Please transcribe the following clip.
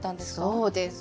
そうです。